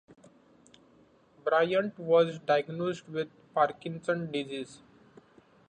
Bryant was diagnosed with Parkinson’s disease.